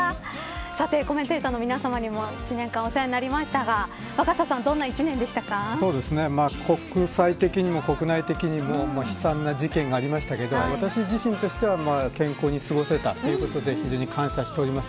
さてコメンテーターの皆さまにも一年間お世話になりましたが国際的にも国内的にも悲惨な事件がありましたけど私自身としては健康に過ごせたということで非常に感謝しております。